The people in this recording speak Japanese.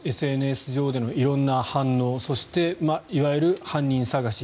ＳＮＳ上での色んな反応そして、いわゆる犯人探し。